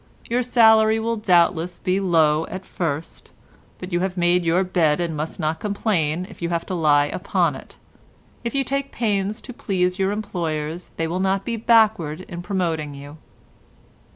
Your salary will doubtless be low at first, but you have made your bed and must not complain if you have to lie upon it. If you take pains to please your employers they will not be backward in promoting you.